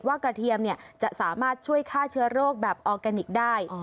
กระเทียมจะสามารถช่วยฆ่าเชื้อโรคแบบออร์แกนิคได้